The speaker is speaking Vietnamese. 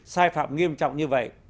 sai phạm nghiêm trọng như vậy